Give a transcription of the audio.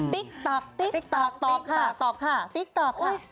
ติ๊กต๊อกติ๊กต๊อกตอบค่ะตอบค่ะติ๊กต๊อกค่ะ